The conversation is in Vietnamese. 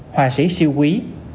hòa sĩ siêu quý